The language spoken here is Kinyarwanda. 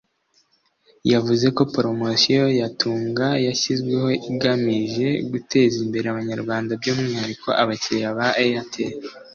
yavuze ko poromosiyo ya Tunga yashyizweho igamije guteza imbere abanyarwanda by’umwihariko abakiliya ba Airtel